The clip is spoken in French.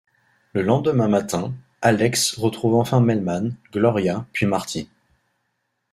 Le lendemain matin, Alex retrouve enfin Melman, Gloria, puis Marty.